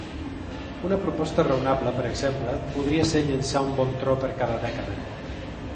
Una proposta raonable, per exemple, podria ser llançar un bon tro per cada dècada.